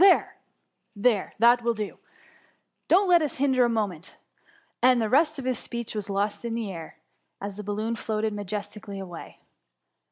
There ! there, that will do ; dotCt let us hinder a mo ment ;" and the rest of his speech was lost in air, as the balloon floated majestically away.